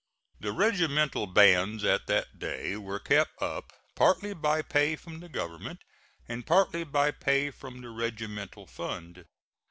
The regimental bands at that day were kept up partly by pay from the government, and partly by pay from the regimental fund.